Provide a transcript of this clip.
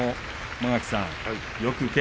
間垣さん。